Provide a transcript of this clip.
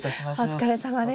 お疲れさまです。